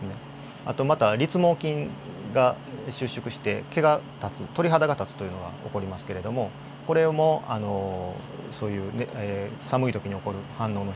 あとまた立毛筋が収縮して毛が立つ鳥肌が立つというのが起こりますけれどもこれもそういう寒いときに起こる反応の一つです。